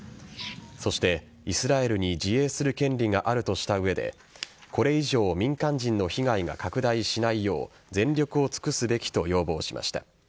そして、イスラエルに自衛する権利があるとした上でこれ以上民間人の被害が拡大しないよう全力を尽くすべきと要望しました。